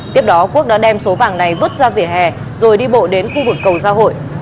tiếp đó quốc đã đem số vàng này vứt ra vỉa hè rồi đi bộ đến khu vực cầu giao hội